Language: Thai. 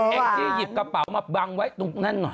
แอ็กซี่หยิบกระเป๋ามาบางไว้ตรงนั่นนั่นหน่อย